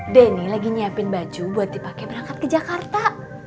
denny lagi nyiapin baju buat dipakai berangkat ke jakarta